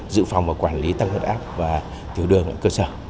dự phòng và quản lý tăng huyết áp và tiểu đường ở cơ sở